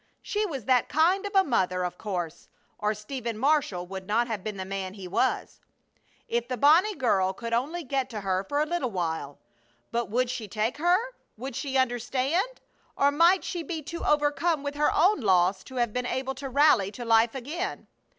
She was that kind of a mother of course, or Stephen Marshall would not have been the man he was! If the Bonnie girl could only get to her for a little while! But would she take her? Would she understand? Or might she be too overcome with her own loss to have been able to rally to life again?